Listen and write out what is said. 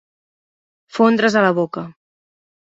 Fondre's a la boca.